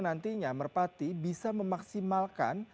nantinya merpati bisa memaksimalkan